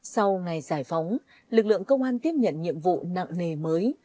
sau ngày giải phóng lực lượng công an tiếp nhận nhiệm vụ nặng nề mới